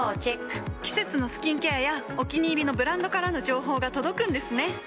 季節のスキンケアやお気に入りのブランドからの情報が届くんですね。